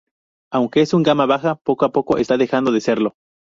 Aunque es un gama baja, poco a poco está dejando de serlo.